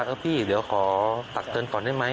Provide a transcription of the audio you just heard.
นายเดี๋ยวขอต่อเตือนก่อนได้ไหม